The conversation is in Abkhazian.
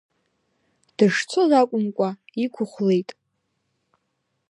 Дышцоз акәымкәа, иқәхәлеит.